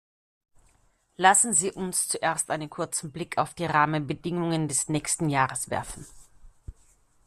Lassen Sie uns zuerst einen kurzen Blick auf die Rahmenbedingungen des nächsten Jahres werfen.